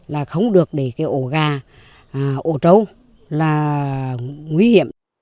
là không được để cái ổ gà ổ trâu là nguy hiểm